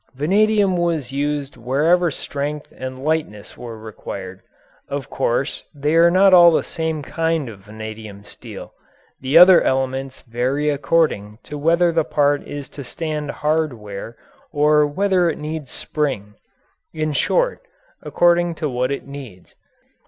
Vanadium was used wherever strength and lightness were required. Of course they are not all the same kind of vanadium steel. The other elements vary according to whether the part is to stand hard wear or whether it needs spring in short, according to what it needs.